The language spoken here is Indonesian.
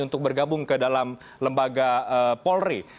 untuk bergabung ke dalam lembaga polri